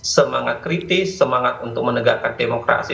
semangat kritis semangat untuk menegakkan demokrasi